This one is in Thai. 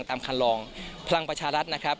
คำลองพลังประชารัฐนะครับ